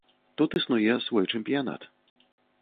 Тут існуе свой чэмпіянат.